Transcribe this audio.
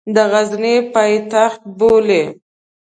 د غزني پایتخت بولي.